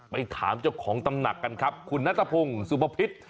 ไปถามเจ้าของตำหนักกันครับคุณนัทพงศ์สุภพิษ